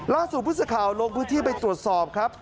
ล่าสู่พฤษข่าวลงพื้นที่ไปตรวจสอบครับ